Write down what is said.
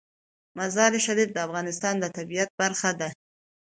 مزارشریف د افغانستان د طبیعت برخه ده.